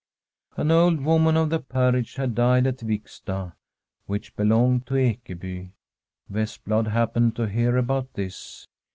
An old woman on the parish had died at Viksta, which belonged to Ekeby. Vestblad happened to hear about this.